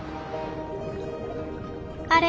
あれ？